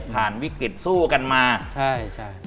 ผ่านวิกฤตสู้กันมาใช่